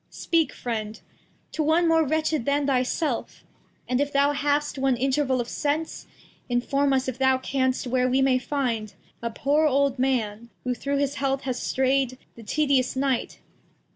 Speak, Friend, to one more wretched than thy self ; And if thou hast one Interval of Sense, Inform us, if thou canst, where we may find A poor old Man, who through this heath has stray'd The tedious Night.